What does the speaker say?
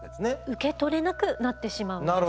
受け取れなくなってしまうんですね。